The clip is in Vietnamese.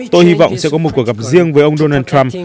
tôi hy vọng sẽ có một cuộc gặp riêng với ông donald trump